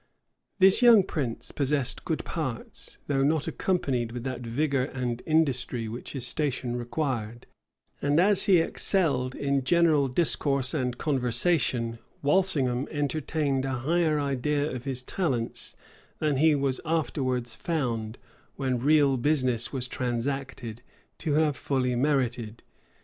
This young prince possessed good parts, though not accompanied with that vigor and industry which his station required; and as he excelled in general discourse and conversation, Walsingham entertained a higher idea of his talents than he was afterwards found, when real business was transacted, to have fully merited.